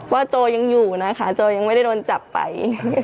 โจยังอยู่นะคะโจยังไม่ได้โดนจับไป